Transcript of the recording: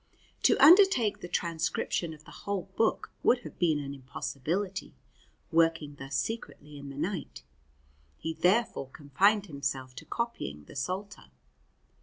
To undertake the transcription of the whole book would have been an impossibility, working thus secretly in the night; he therefore confined himself to copying the Psalter.